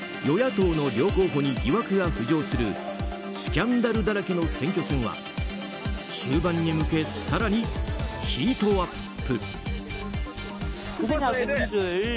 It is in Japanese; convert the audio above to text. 与野党の両候補に疑惑が浮上するスキャンダルだらけの選挙戦は終盤に向けて更にヒートアップ。